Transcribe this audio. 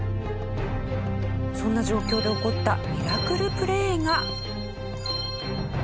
そんな状況で起こったミラクルプレーが。